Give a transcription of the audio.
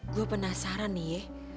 gue penasaran nih ye